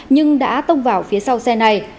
nhưng đã tông vào phía sau xe này